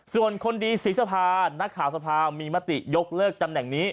ส่วนคนดีศรีสภานักข่าวสภามีมติยกเลิกตำแหน่งนี้